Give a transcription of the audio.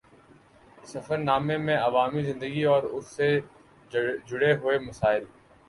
سفر نامے میں عوامی زندگی اور اُس سے جڑے ہوئے مسائل